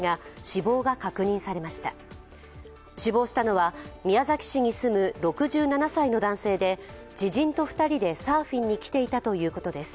死亡したのは宮崎市に住む６７歳の男性で知人と２人でサーフィンに来ていたということです。